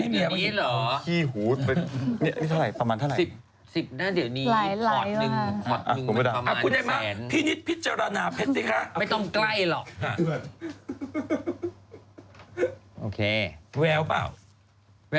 ได้ค่ะพี่มารน่าจะดูดแบบนี้